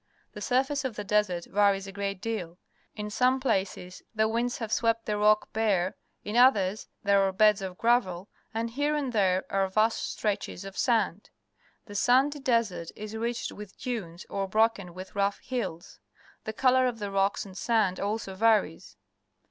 The surface of the desert varies a great deal. In some places the winds have swept the rock bare, in others there are beds of gravel, and here and there are vast stretches of sand. The sandy desert is ridged with dunes, or broken with rough hills. The colour of the rocks and sand also varies.